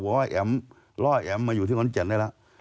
ว่าแอ๋มล่อแอ๋มมาอยู่ที่ขอนแก่นได้แล้ว